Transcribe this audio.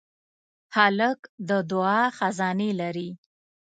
هلک د دعا خزانې لري.